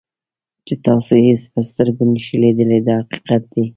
چې تاسو یې په سترګو نشئ لیدلی دا حقیقت دی.